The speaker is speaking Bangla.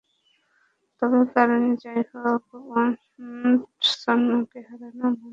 তবে কারণ যা-ই হোক, ওয়েডসনকে হারানো মানে শেখ জামালের শক্তি অনেকটাই ক্ষয়।